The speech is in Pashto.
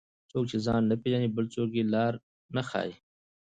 څوک چې ځان نه پیژني، بل څوک یې لار نه ښيي.